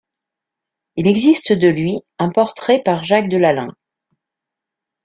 Il existe de lui un portrait par Jacques de Lalaing.